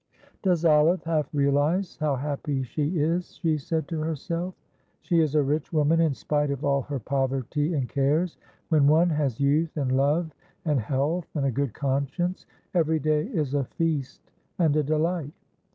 "Does Olive half realise how happy she is!" she said to herself. "She is a rich woman in spite of all her poverty and cares. When one has youth and love and health and a good conscience, every day is a feast and a delight.